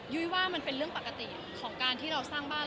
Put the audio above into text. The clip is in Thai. ยุ้ยว่ามันเป็นเรื่องปกติของการที่เราสร้างบ้าน